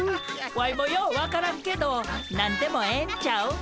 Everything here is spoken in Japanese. ワイもよう分からんけど何でもええんちゃう？